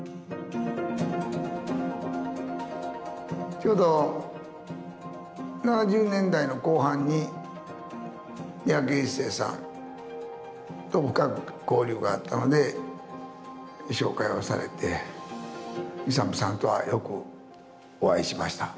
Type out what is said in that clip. ちょうど７０年代の後半に三宅一生さんと深く交流があったので紹介をされてイサムさんとはよくお会いしました。